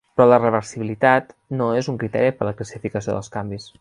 Però la reversibilitat no és un criteri per la classificació dels canvis.